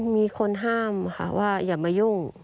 มีคนห้ามค่ะว่าอย่ามายุ่ง